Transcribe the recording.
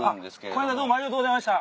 この間はどうもありがとうございました。